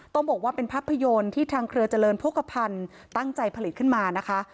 ต้องบอกว่าเป็นภาพยนตร์ที่ทางเครือเจริญโภคภัณฑ์ตั้งใจผลิตขึ้นมานะคะ